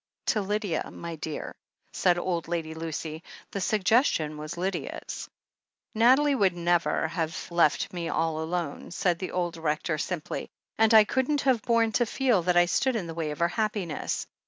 "To Lydia, my dear," said old Lady Lucy. "The suggestion was Lydia's." "Nathalie would never have left me all alone," said the old Rector simply, "and I couldn't have borne to feel that I stood in the way of her happiness.